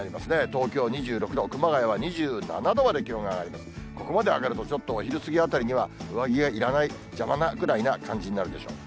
東京２６度、熊谷は２７度まで気温が上がり、ここまで上がると、ちょっとお昼過ぎあたりには上着がいらない、邪魔なぐらいな感じになるでしょう。